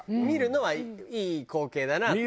見るのはいい光景だな。